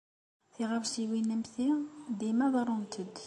Tiɣawsiwin am ti dima ḍerrunt-d.